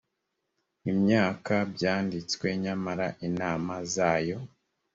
imyaka byanditswe nyamara inama zayo